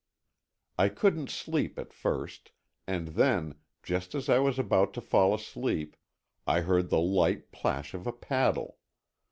I couldn't sleep at first, and then, just as I was about to fall asleep, I heard the light plash of a paddle.